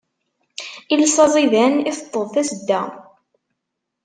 Iles aẓidan iteṭṭeḍ tasedda.